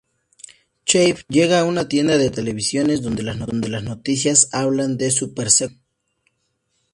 Chev llega a una tienda de televisiones, donde las noticias hablan de su persecución.